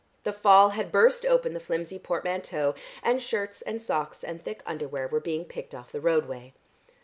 The fall had burst open the flimsy portmanteau, and shirts and socks and thick underwear were being picked off the roadway....